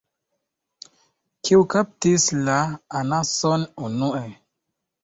Kiu kaptis la anason unue?